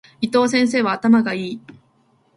伊藤先生は頭が良い。